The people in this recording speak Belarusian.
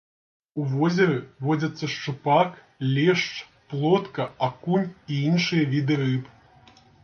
У возеры водзяцца шчупак, лешч, плотка, акунь і іншыя віды рыб.